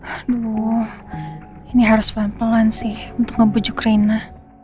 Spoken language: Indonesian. aduh ini harus pelan pelan sih untuk ngebujuk rena